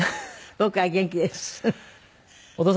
僕は元気です！